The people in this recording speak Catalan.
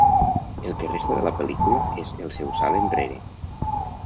El que resta de la pel·lícula és el seu salt enrere.